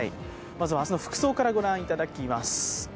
まずは明日の服装からご覧いただきます。